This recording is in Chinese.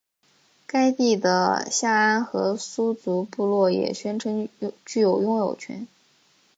该地的夏安河苏族部落也宣称具有拥有权。